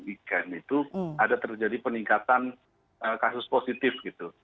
weekend itu ada terjadi peningkatan kasus positif gitu